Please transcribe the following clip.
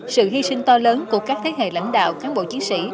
sự hy sinh to lớn của các thế hệ lãnh đạo cán bộ chiến sĩ